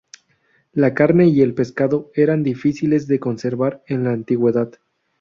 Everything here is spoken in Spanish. La carne y el pescado eran difíciles de conservar en la antigüedad.